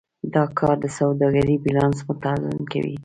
دا کار د سوداګرۍ بیلانس متوازن کوي.